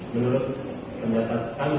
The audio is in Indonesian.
menurut pendapat kami